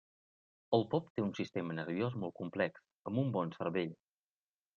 El pop té un sistema nerviós molt complex, amb un bon cervell.